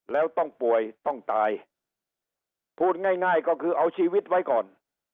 แล้วต้องป่วยต้องตายพูดง่ายง่ายก็คือเอาชีวิตไว้ก่อน